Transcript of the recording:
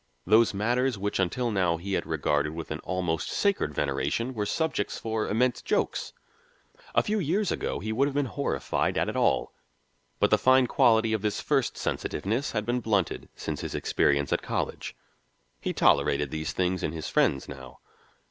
Those matters which until now he had regarded with an almost sacred veneration were subjects for immense jokes. A few years ago he would have been horrified at it all, but the fine quality of this first sensitiveness had been blunted since his experience at college. He tolerated these things in his friends now.